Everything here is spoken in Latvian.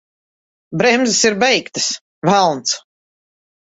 Bremzes ir beigtas! Velns!